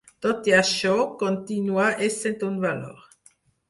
Tot i això, continua essent un valor.